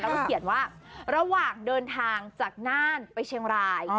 แล้วก็เขียนว่าระหว่างเดินทางจากน่านไปเชียงราย